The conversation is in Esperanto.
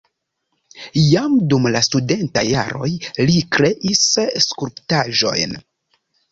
Jam dum la studentaj jaroj li kreis skulptaĵojn.